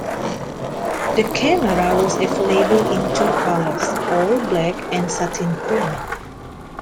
The camera was available in two colours: all black and satin chrome.